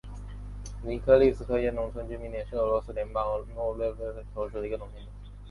尼科利斯科耶农村居民点是俄罗斯联邦沃罗涅日州新乌斯曼区所属的一个农村居民点。